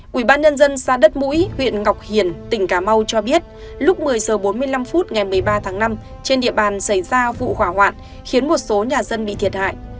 quỹ ban nhân dân xã đất mũi huyện ngọc hiền tỉnh cà mau cho biết lúc một mươi h bốn mươi năm phút ngày một mươi ba tháng năm trên địa bàn xảy ra vụ hỏa hoạn khiến một số nhà dân bị thiệt hại